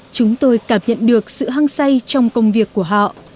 chúng tôi cảm nhận được sự hăng say trong công việc của họ